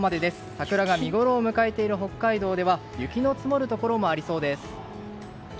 桜が見ごろを迎えている北海道では雪の積もるところもありそうです。